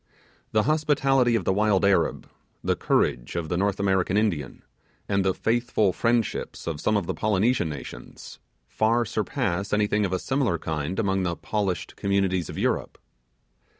The hospitality of the wild Arab, the courage of the North American Indian, and the faithful friendship of some of the Polynesian nations, far surpass anything of a similar kind among the polished communities of Europe.